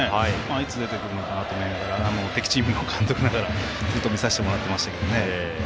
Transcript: いつ出てくるのかなと思いながら敵チームの監督ながらずっと見させてもらってましたけどね。